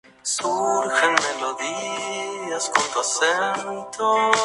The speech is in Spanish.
Dominick tiene una discapacidad intelectual debido a un accidente en su juventud.